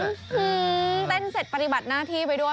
เต้นเสร็จปฏิบัติหน้าที่ไปด้วย